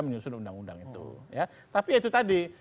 menyusun undang undang itu ya tapi ya itu tadi